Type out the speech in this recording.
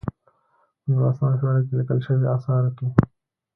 په نولسمه پېړۍ کې لیکل شویو آثارو کې.